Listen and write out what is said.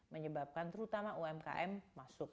menyebabkan terutama umkm masuk